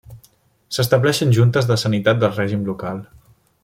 S'estableixen Juntes de Sanitat de règim local.